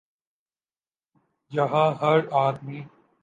یہاں ہر آدمی